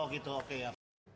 oh gitu oke ya